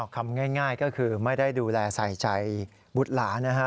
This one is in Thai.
คำง่ายก็คือไม่ได้ดูแลใส่ใจบุตรหลานนะฮะ